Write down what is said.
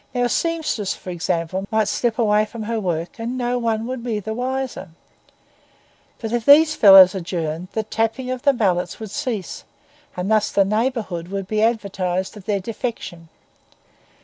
Now a seamstress, for example, might slip away from her work and no one be the wiser; but if these fellows adjourned, the tapping of the mallets would cease, and thus the neighbourhood be advertised of their defection.